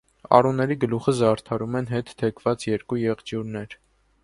Արուների գլուխը զարդարում են հետ թեքված երկու եղջյուրներ։